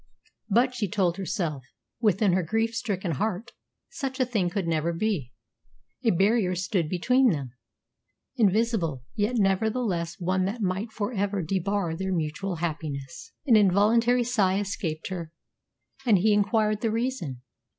But, she told herself within her grief stricken heart, such a thing could never be. A barrier stood between them, invisible, yet nevertheless one that might for ever debar their mutual happiness. An involuntary sigh escaped her, and he inquired the reason.